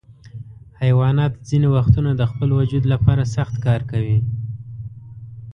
حیوانات ځینې وختونه د خپل وجود لپاره سخت کار کوي.